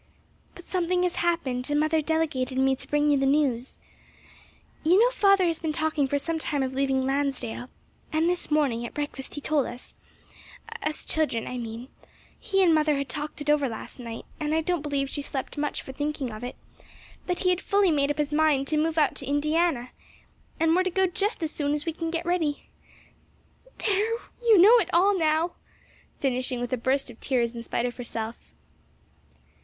"But something has happened and mother delegated me to bring you the news. "You know father has been talking for some time of leaving Lansdale, and this morning, at breakfast, he told us us children, I mean he and mother had talked it over last night, and I don't believe she slept much for thinking of it that he had fully made up his mind to move out to Indiana. And we're to go just as soon as we can get ready. "There, now you know it all!" finishing with a burst of tears in spite of herself.